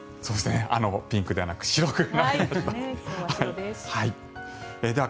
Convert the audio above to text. ピンクではなく白です。